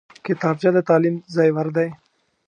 کتابچه د تعلیم زیور دی